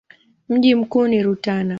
Mji mkuu ni Rutana.